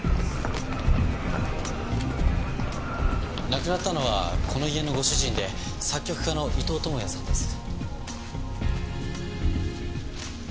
亡くなったのはこの家のご主人で作曲家の伊東知也さんです。